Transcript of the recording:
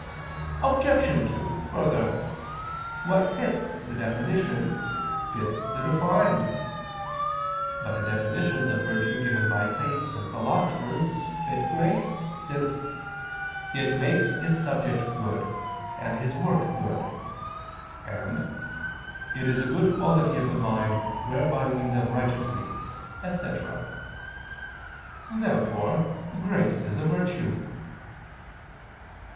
Obj. 2: Further, what fits the definition, fits the defined. But the definitions of virtue given by saints and philosophers fit grace, since "it makes its subject good, and his work good," and "it is a good quality of the mind, whereby we live righteously," etc. Therefore grace is virtue.